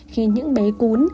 khi những bé cún